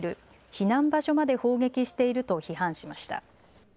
避難場所まで砲撃していると批判しました。